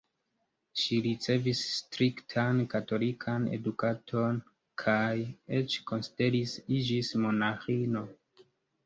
Ŝi ricevis striktan katolikan edukadon kaj eĉ konsideris iĝis monaĥino.